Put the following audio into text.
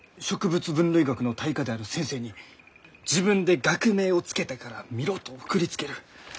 分類学の大家である先生に「自分で学名を付けたから見ろ」と送りつける。